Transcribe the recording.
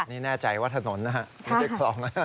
นี่แน่ใจว่าถนนน่ะไม่ได้คล้อง